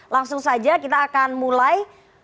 langsung saja kita akan mulai